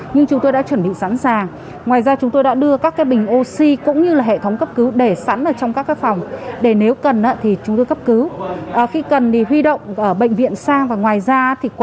nhằm tránh tối đa các rủi ro có thể xảy ra